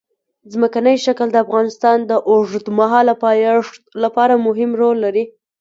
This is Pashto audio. ځمکنی شکل د افغانستان د اوږدمهاله پایښت لپاره مهم رول لري.